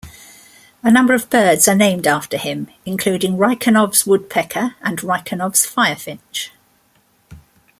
A number of birds are named after him, including Reichenow's woodpecker and Reichenow's firefinch.